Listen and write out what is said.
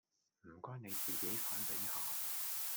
唔該你自己反省下